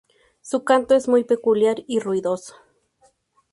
Su canto es muy peculiar y ruidoso.